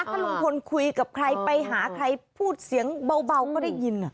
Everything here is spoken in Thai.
ถ้าลุงพลคุยกับใครไปหาใครพูดเสียงเบาก็ได้ยิน